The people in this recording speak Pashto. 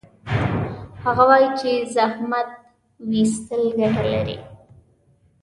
هغه وایي چې زحمت ویستل ګټه لري